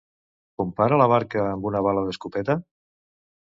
Compara la barca amb una bala d'escopeta?